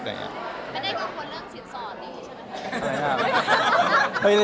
ไม่ได้เกี่ยวคนเรื่องสินสอดดีใช่มั้ยครับ